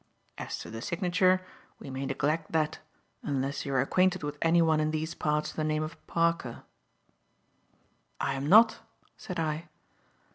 As to the signature, we may neglect that, unless you are acquainted with anyone in these parts of the name of Parker." "I am not," said I.